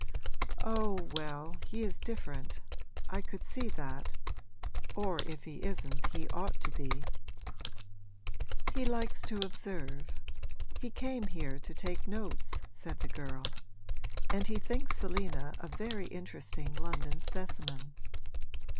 'Oh, well, he is different I could see that; or if he isn't he ought to be!' 'He likes to observe he came here to take notes,' said the girl. 'And he thinks Selina a very interesting London specimen.'